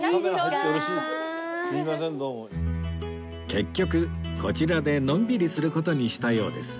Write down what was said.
結局こちらでのんびりする事にしたようです